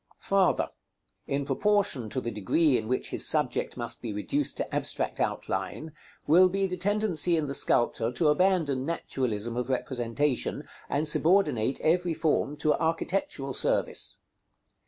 § XL. Farther. In proportion to the degree in which his subject must be reduced to abstract outline will be the tendency in the sculptor to abandon naturalism of representation, and subordinate every form to architectural service.